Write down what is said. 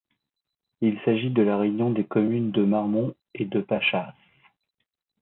Il s'agit de la réunion des communes de Marmont et de Pachas.